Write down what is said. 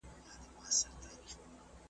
له سهاره په ژړا پیل کوو ورځي .